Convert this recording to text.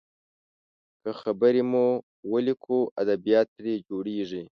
که خبرې مو وليکو، ادبيات ترې جوړیږي.